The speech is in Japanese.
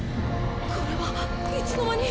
これはいつの間に！？